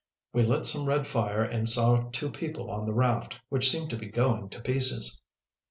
We lit some red fire and saw two people on the raft, which seemed to be going to pieces."